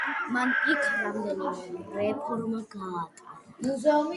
მან იქ რამდენიმე რეფორმა გაატარა.